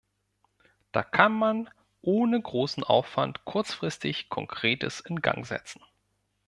Da kann man ohne großen Aufwand kurzfristig Konkretes in Gang setzen.